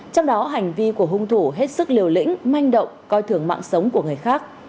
trong đó hành vi của hung thủ hết sức liều lĩnh manh động coi thường mạng sống của người khác